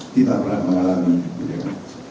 kita pernah mengalami begitu